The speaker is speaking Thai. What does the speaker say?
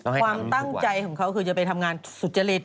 ความตั้งใจของเขาคือจะไปทำงานสุจริต